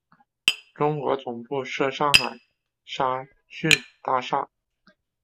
中国总部设上海沙逊大厦。